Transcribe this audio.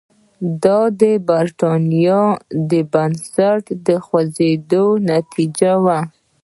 دا د برېټانیا د بنسټونو د خوځېدو نتیجه وه.